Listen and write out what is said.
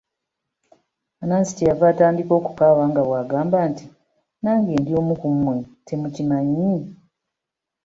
Anansi kye yava atandika okukaaba nga bw'agamba nti, nange ndi omu ku mmwe, temukimanyi?